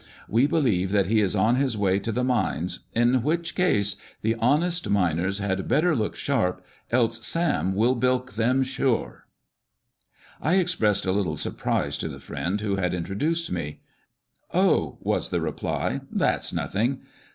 We believe that he is on his way to the mines, in which case the honest miners had better look sharp, else Sam will bilk them — SURE !" I expressed a little surprise to tiie friend who had introduced me. " Oh," was the reply, "that's nothing.